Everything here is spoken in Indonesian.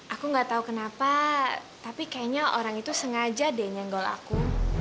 aku gak tahu kenapa tapi kayaknya orang itu sengaja deh nyenggol aku